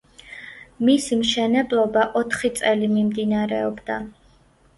მისი მშენებლობა ოთხი წელი მიმდინარეობდა.